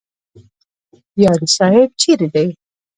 یاري صاحب چیرې دی؟